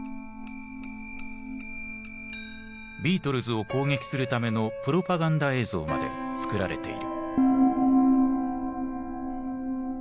ビートルズを攻撃するためのプロパガンダ映像まで作られている。